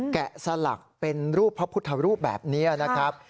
แกะสลักเป็นรูปพระพุทธรูปแบบนี้นะครับ